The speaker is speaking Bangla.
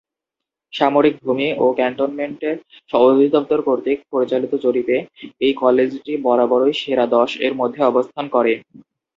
সামরিক ভূমি ও ক্যান্টনমেন্ট অধিদপ্তর কর্তৃক পরিচালিত জরিপে এই কলেজটি বরাবরই সেরা দশ এর মধ্যে অবস্থান করে।